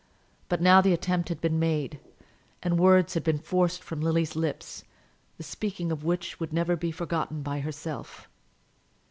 But now the attempt had been made, and words had been forced from Lily's lips, the speaking of which would never be forgotten by herself.